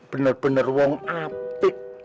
benar benar yang apik